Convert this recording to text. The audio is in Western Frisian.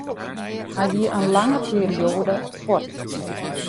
Hy wie in lange perioade fuort.